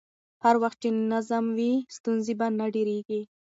هر وخت چې نظم وي، ستونزې به نه ډېرېږي.